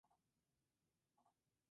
El Abuelo se vuelve muy triste y depresivo.